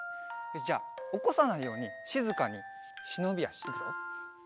よしじゃあおこさないようにしずかにしのびあしいくぞ。